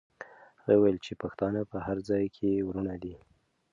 هغې وویل چې پښتانه په هر ځای کې وروڼه دي.